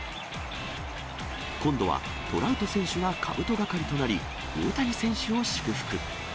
今度はトラウト選手がかぶと係となり、大谷選手を祝福。